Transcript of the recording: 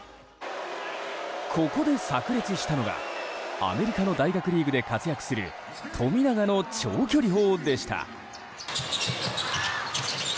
ここで炸裂したのがアメリカの大学リーグで活躍する富永の長距離砲でした。